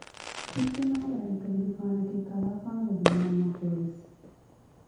ސިއްތިމާވާ ރަނިކިލެގެފާނަކީ ކަލާފާނުގެ ދޮންމަންމާފުޅު ވެސް